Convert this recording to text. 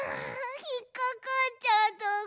ひっかかっちゃったぐ。